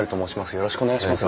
よろしくお願いします。